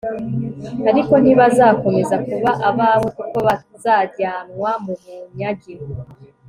ariko ntibazakomeza kuba abawe kuko bazajyanwa mu bunyage